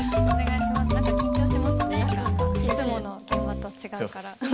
いつもの現場と違うから。